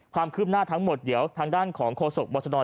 ความคืบหน้าทั้งหมดเดี๋ยวทางด้านของโฆษกบรชน